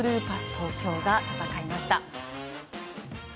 東京が戦いました。